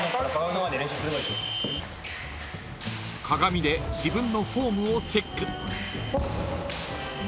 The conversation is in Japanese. ［鏡で自分のフォームをチェック］